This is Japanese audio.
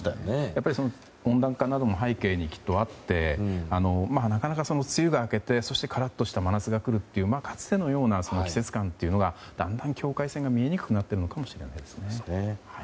やはり温暖化なども背景に、きっとあってなかなか梅雨が明けてカラッとした真夏がくるというかつてのような季節感というのがだんだん境界線が見えにくくなってるのかもしれないですね。